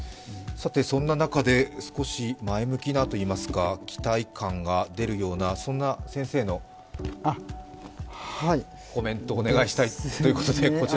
そんな中で少し前向きなといいますか、期待感が出るような先生のコメントをお願いしたいということで。